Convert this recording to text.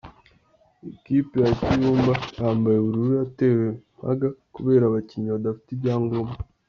Ikipe ya Kiyumba yambaye ubururu yatewe mpaga kubera abakinnyi badafite ibyangombwa.